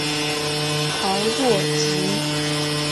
豪洛吉。